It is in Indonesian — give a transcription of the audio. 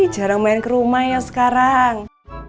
jarang main ke rumah yang sekarang